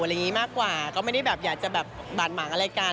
อะไรอย่างนี้มากกว่าก็ไม่ได้แบบอยากจะแบบบาดหมางอะไรกัน